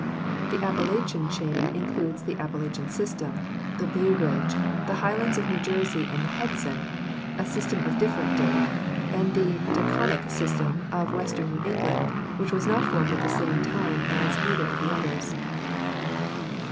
The Appalachian chain includes the Appalachian system, the Blue Ridge, the Highlands of New Jersey and the Hudson, a system of different date, and the Taconic system of western New England, which was not formed at the same time as either of the others.